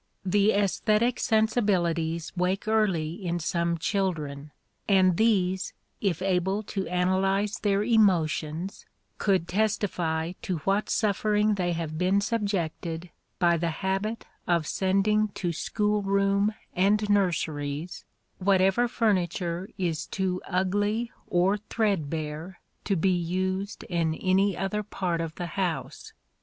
The æsthetic sensibilities wake early in some children, and these, if able to analyze their emotions, could testify to what suffering they have been subjected by the habit of sending to school room and nurseries whatever furniture is too ugly or threadbare to be used in any other part of the house.